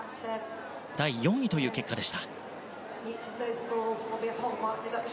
第４位という結果でした。